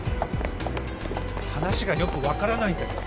話がよく分からないんだけど。